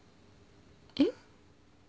えっ？